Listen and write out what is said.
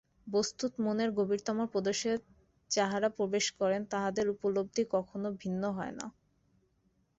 বস্তুত মনের গভীরতম প্রদেশে যাঁহারা প্রবেশ করেন, তাঁহাদের উপলব্ধি কখনও ভিন্ন হয় না।